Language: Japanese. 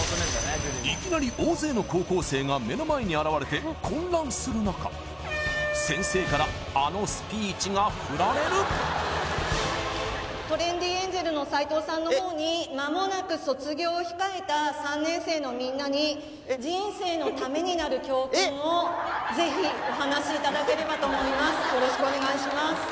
いきなり大勢の高校生が目の前に現れて混乱する中先生からあのスピーチが振られるトレンディエンジェルの斎藤さんのほうにまもなく卒業を控えた３年生のみんなに人生のためになる教訓をぜひお話しいただければと思います